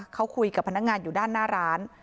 เขาคุยกับพนักงานอยู่ด้านหน้าร้าน